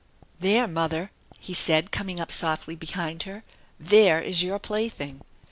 " There, mother," he said, coming up softly behind her. " There is your plaything.